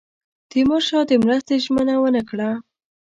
تیمورشاه د مرستې ژمنه ونه کړه.